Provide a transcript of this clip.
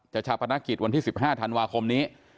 จะฉับพนักกิจวันที่๑๕ธันวาคมนี้